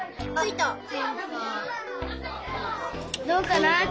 どうかな？